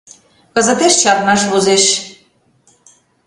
Кызытеш чарнаш возеш.